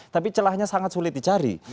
tapi celahnya sangat sulit dicari